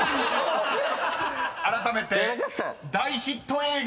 ［あらためて大ヒット映画］